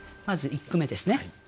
まず１句目ですね。